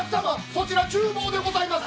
そちら厨房でございます。